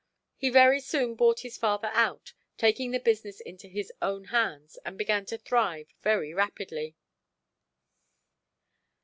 He very soon bought his father out, taking the business into his own hands, and began to thrive very rapidly.